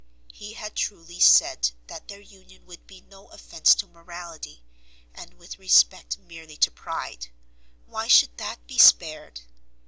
He had truly said that their union would be no offence to morality, and with respect merely to pride, why should that be spared?